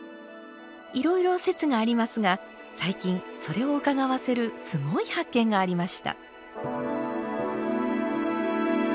いろいろ説がありますが最近それをうかがわせるすごい発見がありました。